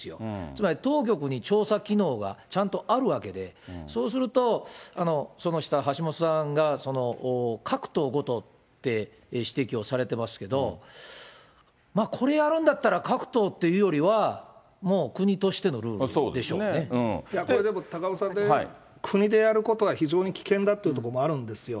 つまり、当局に調査機能がちゃんとあるわけで、そうすると、その下、橋下さんがその各党ごとって指摘をされてますけど、これやるんだったら、各党っていうよりは、高岡さんね、国でやることは非常に危険だっていうところもあるんですよ。